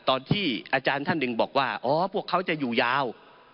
ตอนที่อาจารย์ท่านหนึ่งบอกว่าอ๋อพวกเขาจะอยู่ยาว